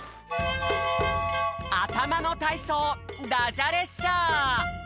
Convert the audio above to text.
あたまのたいそうダジャ列車！